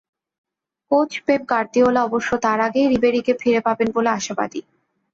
Coach Pep Guardiola অবশ্য তার আগেই রিবেরিকে ফিরে পাবেন বলে আশাবাদী।